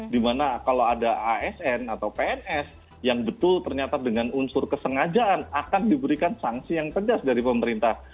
dimana kalau ada asn atau pns yang betul ternyata dengan unsur kesengajaan akan diberikan sanksi yang tegas dari pemerintah